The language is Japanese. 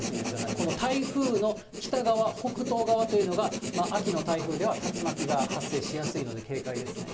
この台風の北側、北東側というのが、秋の台風では竜巻が発生しやすいので、警戒ですね。